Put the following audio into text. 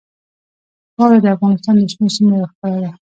واوره د افغانستان د شنو سیمو یوه ښکلا ده.